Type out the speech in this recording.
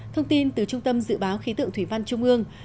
thông tin từ trung tâm dự báo khí tượng thủy văn trung ương